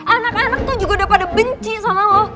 anak anak tuh juga udah pada benci sama lo